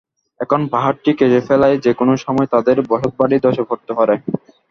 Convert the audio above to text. এখন পাহাড়টি কেটে ফেলায় যেকোনো সময় তাঁদের বসতবাড়ি ধসে পড়তে পারে।